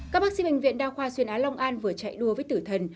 các bác sĩ bệnh viện đa khoa xuyên á long an vừa chạy đua với tử thần